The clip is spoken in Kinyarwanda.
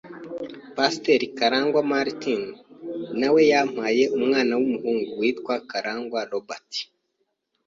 Pasteur KARANGWA Martin nawe yampaye umwana w’umuhungu witwa KARANGWA Robert